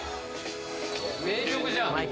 名曲じゃん